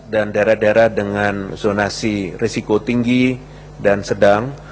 dan daerah daerah dengan zonasi risiko tinggi dan sedang